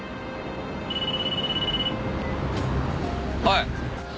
はい。